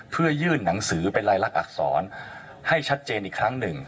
เพื่อยื่นหนังสือเป็นรายลักษรให้ชัดเจนอีกครั้งหนึ่ง